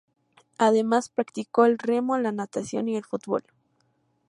Además, practicó el remo, la natación, y el fútbol.